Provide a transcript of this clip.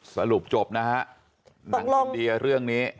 สรุปจบนะฮะหนังอินเดียเรื่องนี้